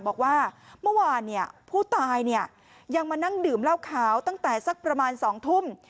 บอกว่าเมื่อวานผู้ตายยังมานั่งดื่มเหล้าขาวตั้งแต่สักประมาณ๒ทุ่ม